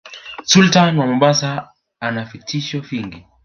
Sultan wa Mombasa anavitisho vingi